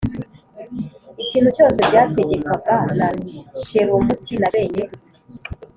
ikintu cyose byategekwaga na Shelomoti na bene